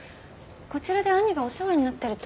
こちらで兄がお世話になってると聞いたので。